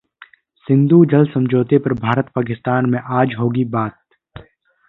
सिंधु जल समझौते पर भारत-पाकिस्तान में आज होगी बात